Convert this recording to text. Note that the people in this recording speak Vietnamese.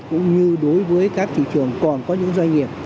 cũng như đối với các thị trường còn có những doanh nghiệp